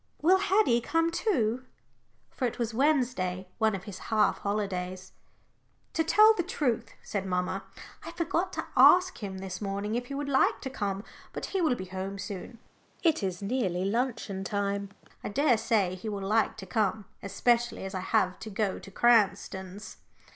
Will Haddie come too?" For it was Wednesday one of his half holidays. "To tell the truth," said mamma, "I forgot to ask him this morning if he would like to come, but he will be home soon it is nearly luncheon time. I daresay he will like to come, especially as I have to go to Cranston's."